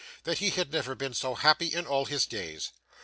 that he had never been so happy in all his days.